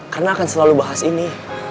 karena akan selalu bahas ini